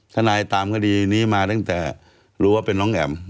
ฆ่านายตามคดีนี้มาหรือว่าตั้งแต่เป็นน้องแอ๋ม